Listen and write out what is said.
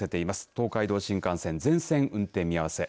東海道新幹線全線運転見合わせ。